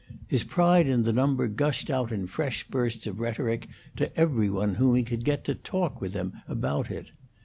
His pride in the number gushed out in fresh bursts of rhetoric to every one whom he could get to talk with him about it.